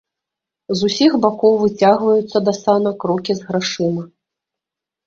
З усіх бакоў выцягваюцца да санак рукі з грашыма.